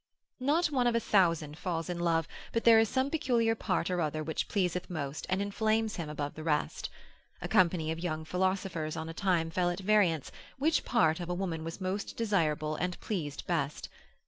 Not one of a thousand falls in love, but there is some peculiar part or other which pleaseth most, and inflames him above the rest. A company of young philosophers on a time fell at variance, which part of a woman was most desirable and pleased best?